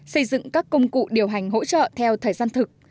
xây dựng các công cụ điều hành hỗ trợ theo thời gian thực